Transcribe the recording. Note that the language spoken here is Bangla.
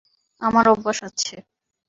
আমার অভ্যাস আছে।